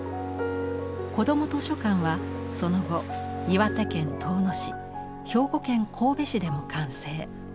子ども図書館はその後岩手県遠野市兵庫県神戸市でも完成。